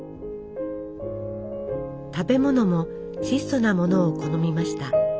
食べ物も質素なものを好みました。